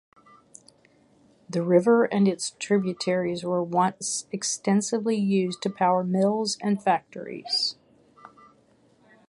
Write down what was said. The river and its tributaries were once extensively used to power mills and factories.